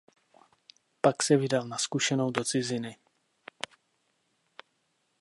Pak se vydal na zkušenou do ciziny.